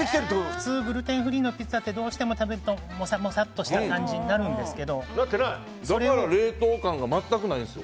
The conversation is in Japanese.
普通はグルテンフリーのピッツァってどうしても食べるともさもさとした感じにだから冷凍感が全くないんです。